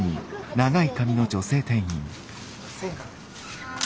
はい。